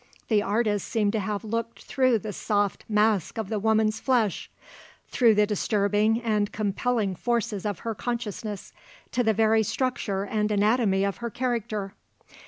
The artist seemed to have looked through the soft mask of the woman's flesh, through the disturbing and compelling forces of her own consciousness, to the very structure and anatomy of her character.